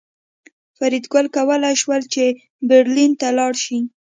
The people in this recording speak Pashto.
فریدګل کولی شول چې برلین ته لاړ شي